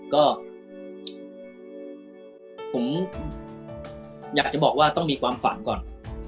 ก็ผมอยากจะบอกว่าต้องมีความฝันก่อน